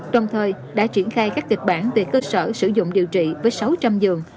đồng thời đã triển khai các kịch bản về cơ sở sử dụng điều trị với sáu trăm linh giường